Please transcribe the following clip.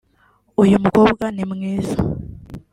Uyu mukobwa ni mwiza